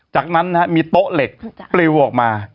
จากนั้นมีโต๊ะเหล็กปลิวออกมา